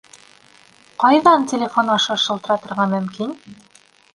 Ҡайҙан телефон аша шылтыратырға мөмкин?